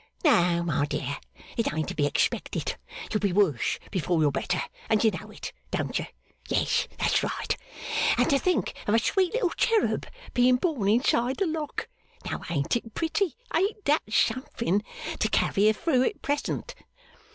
No, my dear, it ain't to be expected; you'll be worse before you're better, and you know it, don't you? Yes. That's right! And to think of a sweet little cherub being born inside the lock! Now ain't it pretty, ain't that something to carry you through it pleasant?